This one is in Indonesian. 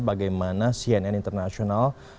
bagaimana cnn international